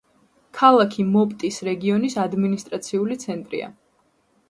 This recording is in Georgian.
ქალაქი მოპტის რეგიონის ადმინისტრაციული ცენტრია.